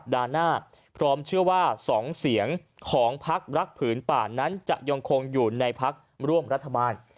หน้าพร้อมเชื่อว่า๒เสียงของพักรักผืนป่านั้นจะยังคงอยู่ในพักร่วมรัฐบาล